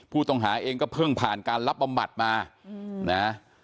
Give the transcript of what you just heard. ผู้ต้องหาเองก็เพิ่งผ่านการรับบำบัดมานะ